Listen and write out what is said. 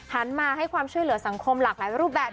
หันมาให้ความช่วยเหลือสังคมหลากหลายรูปแบบ